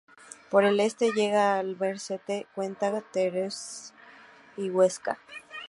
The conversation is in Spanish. Por el este llega a Albacete, Cuenca, Teruel y Huesca.